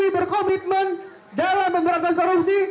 berkomitmen dalam memperangkan korupsi